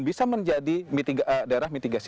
bisa menjadi daerah mitigasi